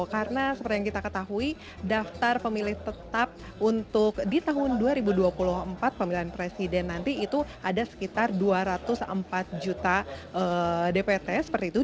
karena seperti yang kita ketahui daftar pemilih tetap untuk di tahun dua ribu dua puluh empat pemilihan presiden nanti itu ada sekitar dua ratus empat juta dpt seperti itu